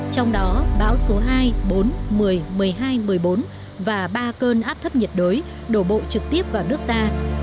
trong đó bão số hai bốn một mươi một mươi hai một mươi bốn và ba cơn áp thấp nhiệt đới đổ bộ trực tiếp vào nước ta